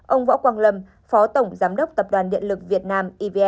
ông võ quang lâm